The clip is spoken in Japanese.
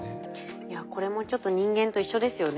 いやこれもちょっと人間と一緒ですよね。